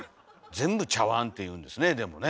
全部「茶わん」っていうんですねでもね。